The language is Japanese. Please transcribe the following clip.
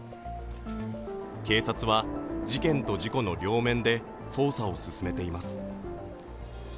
警察は事件と事故の両面で捜査を進めています。